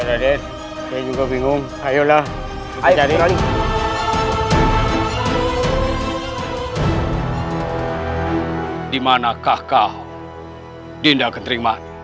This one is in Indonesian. iya den saya juga bingung ayolah kita cari